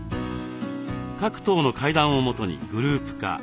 各棟の階段をもとにグループ化。